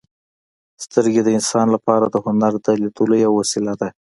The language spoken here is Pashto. • سترګې د انسان لپاره د هنر د لیدلو یوه وسیله ده.